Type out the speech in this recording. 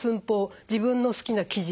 自分の好きな生地